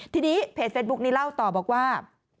ทีนี้เพจเฟซบุ๊คนี้เล่าต่อบอกว่า